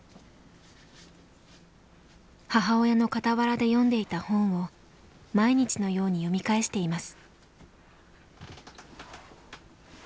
母親の傍らで読んでいた本を毎日のように読み返しています。